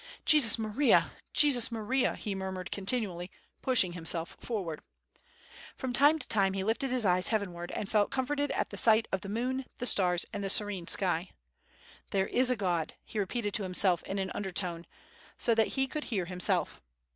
"Jesus Maria! Jesus Maria!" he murmured contin ually, pushing himself forward. From time to time he lifted his eyes heavenward and felt comforted at the sight of the moon, the stars, and the serene sky. "There is a God," he repeated to himself in an undertone, so that he could hear himself.